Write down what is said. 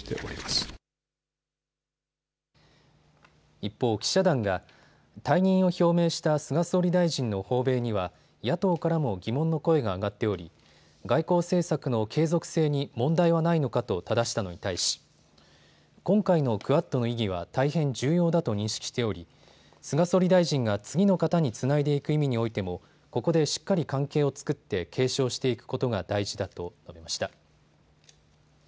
一方、記者団が退任を表明した菅総理大臣の訪米には野党からも疑問の声が上がっており外交政策の継続性に問題はないのかとただしたのに対し、今回のクアッドの意義は大変重要だと認識しており菅総理大臣が次の方につないでいく意味においてもここでしっかり関係を作って継承していくことが大事だと述べました。